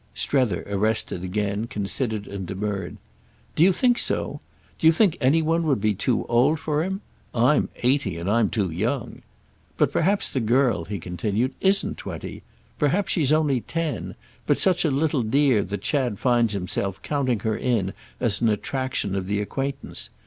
Strether, arrested again, considered and demurred. "Do you think so? Do you think any one would be too old for him? I'm eighty, and I'm too young. But perhaps the girl," he continued, "isn't twenty. Perhaps she's only ten—but such a little dear that Chad finds himself counting her in as an attraction of the acquaintance.